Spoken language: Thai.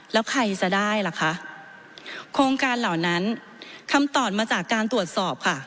แล้วใครจะได้ล่ะคะโครงการเหล่านั้นคำตอบมาจากการตรวจสอบค่ะ